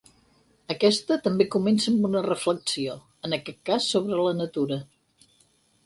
Aquesta també comença amb una reflexió, en aquest cas sobre la natura.